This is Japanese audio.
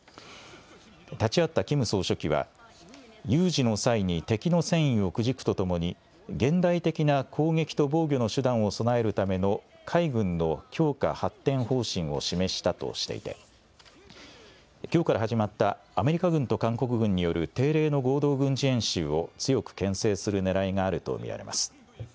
立ち会ったキム総書記は、有事の際に敵の戦意をくじくとともに、現代的な攻撃と防御の手段を備えるための海軍の強化・発展方針を示したとしていて、きょうから始まったアメリカ軍と韓国軍による定例の合同軍事演習を強くけん制するねらいがあると見られます。